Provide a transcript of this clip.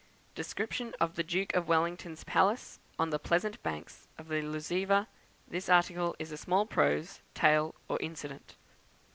Description of the Duke of Wellington's Palace on the Pleasant Banks of the Lusiva; this article is a small prose tale or incident; 3.